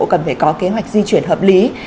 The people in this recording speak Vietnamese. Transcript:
cần phải có kế hoạch di chuyển hợp lý